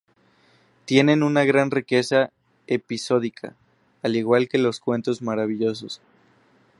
Tienen gran riqueza episódica, al igual que los "cuentos maravillosos".